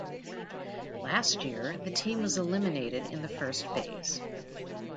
Last year the team was eliminated in the first phase.